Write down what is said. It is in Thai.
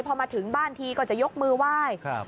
พอมาถึงบ้านทีก็จะยกมือไหว้